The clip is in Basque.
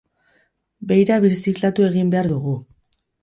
Beira birziklatu egin behar dugu.